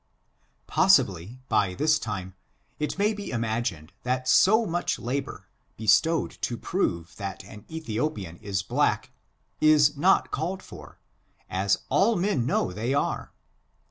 Possibly, by this time, it may be imagined that so much labor, bestowed to prove that an Ethiopian is black, is not called for, as all men know they are.